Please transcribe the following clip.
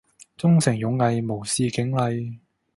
忠誠勇毅無視警例